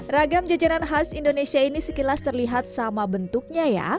ragam jajanan khas indonesia ini sekilas terlihat sama bentuknya ya